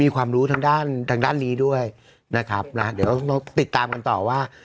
ความรู้ทางด้านทางด้านนี้ด้วยนะครับนะเดี๋ยวเราติดตามกันต่อว่า